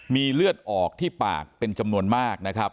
มีเลือดออกที่ปากเป็นจำนวนมากนะครับ